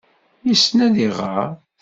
Yessen ad iɣer.